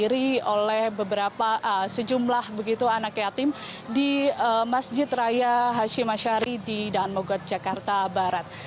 jadi ini adalah acara yang dihadiri oleh sejumlah anak yatim di masjid raya hashim ashari di daan mogot jakarta barat